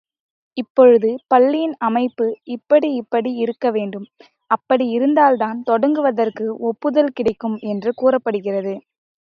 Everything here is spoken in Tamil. இப்பொழுது பள்ளியின் அமைப்பு, இப்படி இப்படி இருக்க வேண்டும் அப்படி இருந்தால்தான் தொடங்குவதற்கு ஒப்புதல் கிடைக்கும் என்று கூறப்படுகிறது.